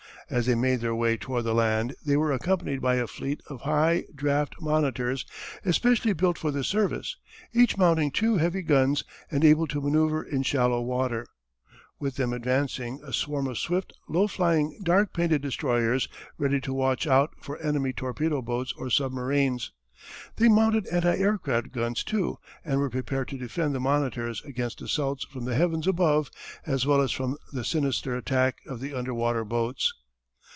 As they made their way toward the land they were accompanied by a fleet of light draft monitors especially built for this service, each mounting two heavy guns and able to manoeuvre in shallow water. With them advanced a swarm of swift, low lying, dark painted destroyers ready to watch out for enemy torpedo boats or submarines. They mounted anti aircraft guns too and were prepared to defend the monitors against assaults from the heavens above as well as from the sinister attack of the underwater boats.